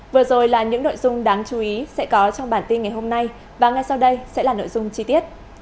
vừa rồi là những nội dung đáng chú ý sẽ có trong bản tin ngày hôm nay và ngay sau đây sẽ là nội dung chi tiết